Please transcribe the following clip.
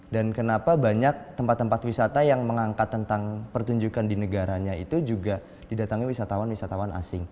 dan kenapa banyak tempat tempat wisata yang mengangkat tentang pertunjukan di negaranya itu juga didatangi wisatawan wisatawan asing